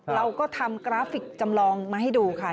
เราก็ทำกราฟิกจำลองมาให้ดูค่ะ